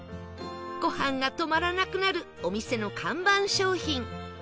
ご飯が止まらなくなるお店の看板商品